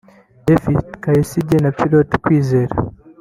Davis Kasirye na Pierrot Kwizera